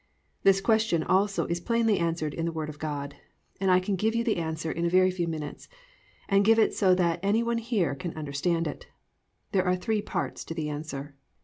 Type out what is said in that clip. This question also is plainly answered in the Word of God; and I can give you the answer in a very few minutes and give it so that any one here can understand it. There are three parts to the answer.